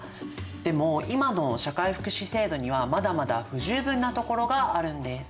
でも今の社会福祉制度にはまだまだ不十分なところがあるんです。